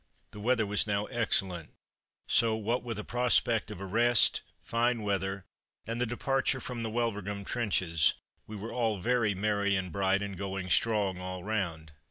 The weather was now excellent; so what with a prospect of a rest, fine weather and the departure from the Wulverghem trenches, we were all very merry and bright, and "going strong" all round.